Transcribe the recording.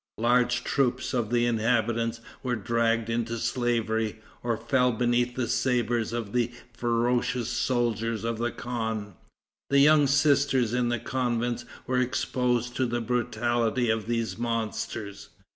Large troops of the inhabitants were dragged into slavery, or fell beneath the sabers of the ferocious soldiers of the khan. The young sisters in the convents were exposed to the brutality of these monsters.